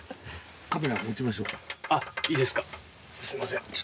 すみません。